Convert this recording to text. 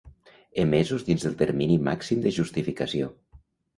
Emesos dins del termini màxim de justificació.